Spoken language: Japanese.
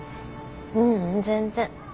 ううん全然。